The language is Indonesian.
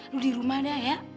lu di rumah dah ya